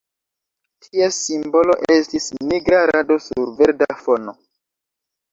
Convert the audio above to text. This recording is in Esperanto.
Ties simbolo estis nigra rado sur verda fono.